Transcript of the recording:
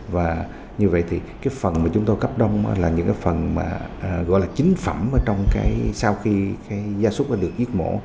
và như vậy thì phần mà chúng tôi cấp đông là những phần chính phẩm sau khi gia súc được giết mổ